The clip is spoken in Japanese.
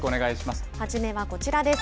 初めはこちらです。